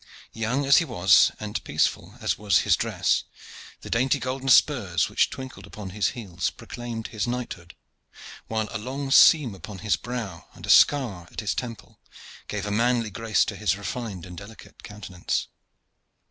Young as he was, and peaceful as was his dress, the dainty golden spurs which twinkled upon his heels proclaimed his knighthood, while a long seam upon his brow and a scar upon his temple gave a manly grace to his refined and delicate countenance.